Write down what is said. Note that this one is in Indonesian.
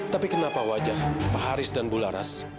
tapi kenapa wajah pak haris dan bu laras